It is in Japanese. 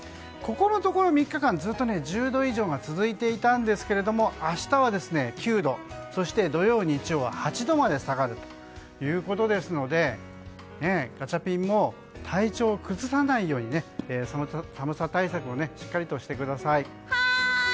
ここのところ３日間ずっと１０度以上が続いていたんですけれど明日は９度そして土曜、日曜は８度まで下がるということですのでガチャピンも体調崩さないように寒さ対策をしっかりとしてください。